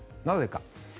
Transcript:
なぜか。